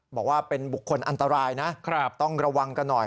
บอกว่าเป็นบุคคลอันตรายนะต้องระวังกันหน่อย